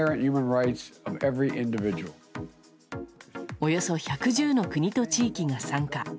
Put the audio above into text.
およそ１１０の国と地域が参加。